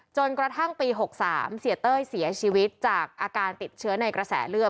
จนกระทั่งปี๖๓เสียเต้ยเสียชีวิตจากอาการติดเชื้อในกระแสเลือด